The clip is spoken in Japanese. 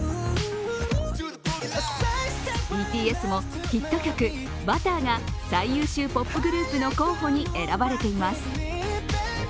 ＢＴＳもヒット曲、「Ｂｕｔｔｅｒ」が最優秀ポップグループの候補に選ばれています。